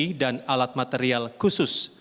untuk tni dan alat material khusus